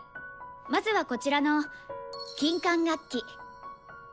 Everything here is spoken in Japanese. まずはこちらの金管楽器。